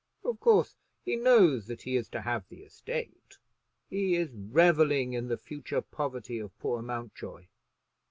Of course he knows that he is to have the estate. He is revelling in the future poverty of poor Mountjoy.